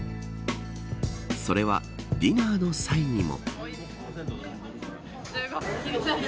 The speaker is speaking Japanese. それはディナーの際にも。